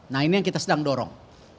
nah ini yang kita sedang dorong